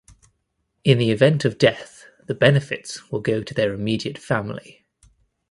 In the event of death the benefits will go to their immediate family.